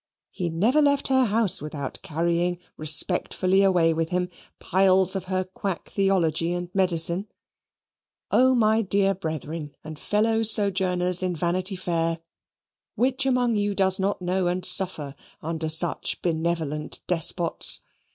He never left her house without carrying respectfully away with him piles of her quack theology and medicine. O, my dear brethren and fellow sojourners in Vanity Fair, which among you does not know and suffer under such benevolent despots?